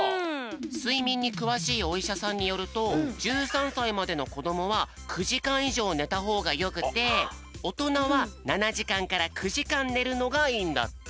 すいみんにくわしいおいしゃさんによると１３さいまでのこどもは９じかんいじょうねたほうがよくておとなは７じかんから９じかんねるのがいいんだって。